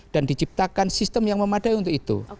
dan diciptakan sistem yang memadai untuk itu